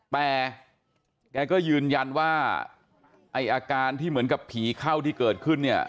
แต่แกก็ยืนยันว่าไอ้อาการที่เหมือนกับผีเข้าที่เกิดขึ้นเนี่ย